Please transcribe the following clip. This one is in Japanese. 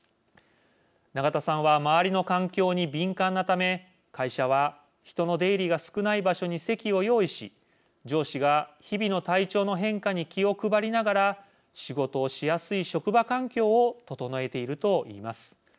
永田さんは周りの環境に敏感なため会社は人の出入りが少ない場所に席を用意し上司が日々の体調の変化に気を配りながら仕事をしやすい職場環境を整えているといいます。